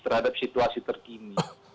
terhadap situasi terkini